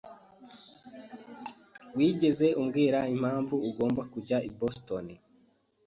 Wigeze ubwira impamvu ugomba kujya i Boston?